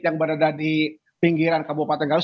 yang berada di pinggiran kabupaten garut